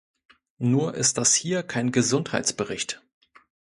Nur ist das hier kein Gesundheitsbericht.